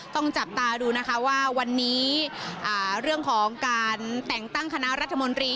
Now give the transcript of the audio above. ต้องจับตาดูนะคะว่าวันนี้เรื่องของการแต่งตั้งคณะรัฐมนตรี